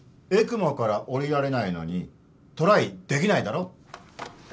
ＥＣＭＯからおりられないのにトライできないだろ？